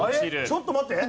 ちょっと待って。